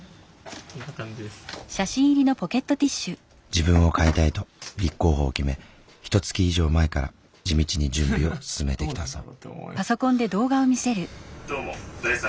自分を変えたいと立候補を決めひとつき以上前から地道に準備を進めてきたそう。